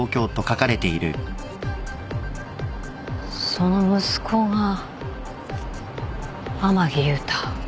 その息子が天樹勇太？